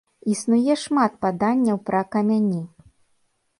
Існуе шмат паданняў пра камяні.